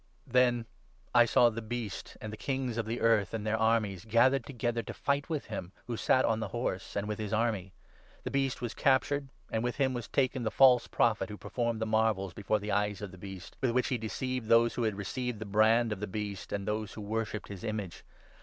Then I saw the Beast and the kings of the earth and their 19 armies, gathered together to fight with him who saf on the horse and with his army. The Beast was captured, and with 20 him was taken the false Prophet, who performed the marvels before the eyes of the Beast, with which he deceived those who had received the brand of the Beast and those who worshipped his image.